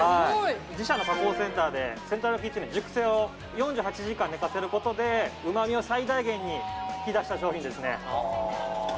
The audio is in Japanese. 自社の加工センターでセントラルキッチンで熟成を４８時間寝かせることで旨みを最大限に引き出した商品ですね。